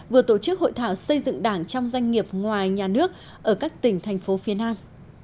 vừa tổ chức hội thảo xây dựng đảng trong doanh nghiệp ngoài nhà nước ở các tỉnh thành phố phía nam